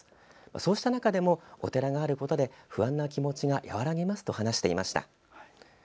そうした中でもお寺があることで不安な気持ちが和らぎますと話していました。